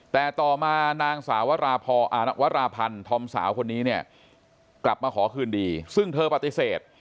แต่ต่อมานางสาววราพันธ์ธอมสาวคนนี้เนี่ยกลับมาขอคืนดีซึ่งเธอปฏิเสธ